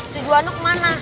tujuan lu kemana